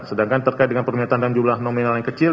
sedangkan terkait dengan permintaan dalam jumlah nominal yang kecil